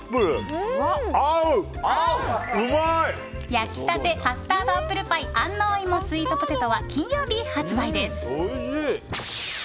焼きたてカスタードアップルパイ安納芋スイートポテトは金曜日発売です。